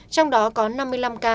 trong đó có năm mươi năm ca